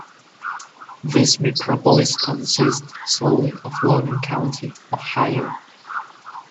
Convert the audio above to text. This micropolis consists solely of Logan County, Ohio.